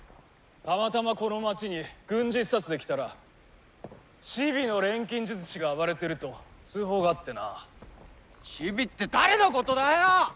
たまたまこの街に軍事視察で来たらチビの錬金術師が暴れてると通報があってなチビって誰のことだよ！